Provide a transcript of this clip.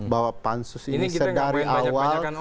bahwa pansus ini sedari awal